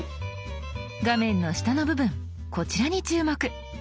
画面の下の部分こちらに注目。